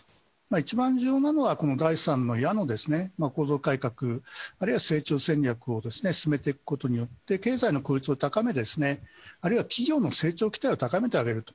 一番重要なのは、この第３の矢の構造改革、あるいは成長戦略を進めていくことによって経済の効率を高め、あるいは企業の成長期待を高めてあげると。